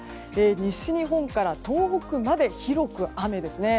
西日本から東北まで広く雨ですね。